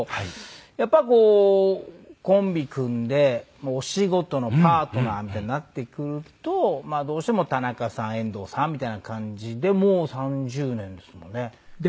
やっぱりこうコンビ組んでお仕事のパートナーみたいになってくるとどうしても「田中さん」「遠藤さん」みたいな感じでもう３０年ですもんね。